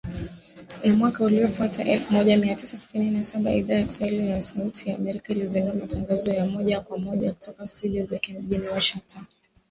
Na mwaka uliofuata, elfu moja mia tisa sitini na saba, Idhaa ya Kiswahili ya Sauti ya Amerika ilizindua matangazo ya moja kwa moja kutoka studio zake mjini Washington.